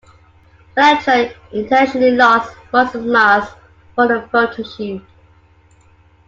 Elektra intentionally lost muscle mass for the photoshoot.